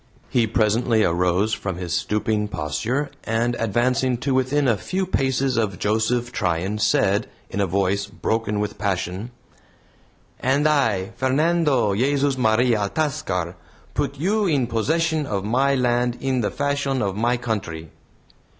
He presently arose from his stooping posture, and advancing to within a few paces of Joseph Tryan, said, in a voice broken with passion: "And I, Fernando Jesus Maria Altascar, put you in possession of my land in the fashion of my country."